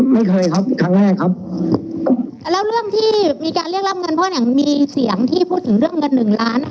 มีการเรียกรับเงินเจษฟ่าอย่างมีเสียงที่พูดถึงเรื่องเงินหนึ่งล้าน